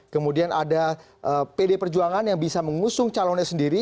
kemudian ada pd perjuangan yang bisa mengusung calonnya sendiri